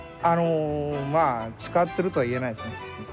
あのまあ使ってるとは言えないですね。